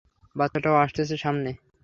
বাচ্চাটাও আসতেছে সামনে।